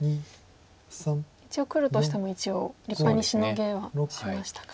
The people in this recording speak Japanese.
一応黒としても立派にシノげはしましたか。